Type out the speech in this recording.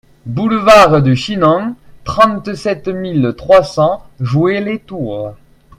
Boulevard de Chinon, trente-sept mille trois cents Joué-lès-Tours